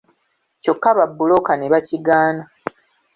Kyokka babbulooka ne bakigaana.